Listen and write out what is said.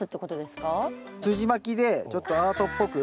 すじまきでちょっとアートっぽく。